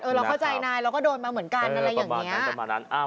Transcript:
เออเราเข้าใจนายเราก็โดนมาเหมือนกันอะไรอย่างนี้